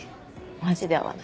マジで合わない。